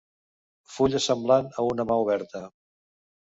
Fulla semblant a una mà oberta.